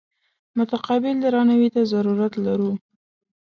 متقابل درناوي ته ضرورت لرو.